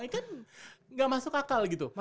kan gak masuk akal gitu